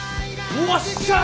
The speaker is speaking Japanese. よっしゃ！